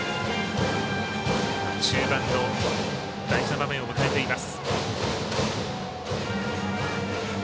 中盤の大事な場面を迎えています。